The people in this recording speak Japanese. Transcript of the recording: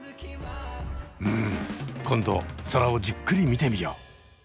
うん今度空をじっくり見てみよう。